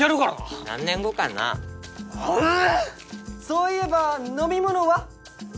そういえば飲み物は？